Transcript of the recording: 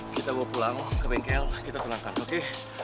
kita bawa pulang ke bengkel kita pulangkan oke